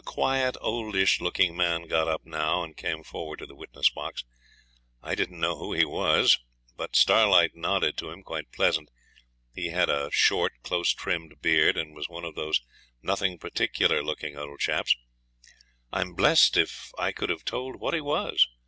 A quiet, oldish looking man got up now and came forward to the witness box. I didn't know who he was; but Starlight nodded to him quite pleasant. He had a short, close trimmed beard, and was one of those nothing particular looking old chaps. I'm blessed if I could have told what he was.